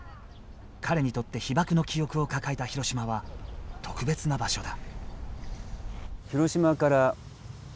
彼にとって被爆の記憶を抱えた広島は特別な場所だ